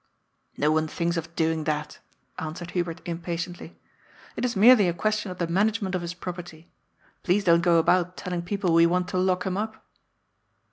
^^ No one thinks of doing that," answered Hubert im patiently. It is merely a question of the management of his property. Please don't go about telling people we want to lock him up."